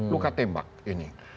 luka tembak ini